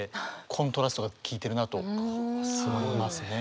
コントラストが効いてるなと思いますね。